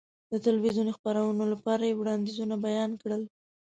د تلویزیوني خپرونو لپاره یې وړاندیزونه بیان کړل.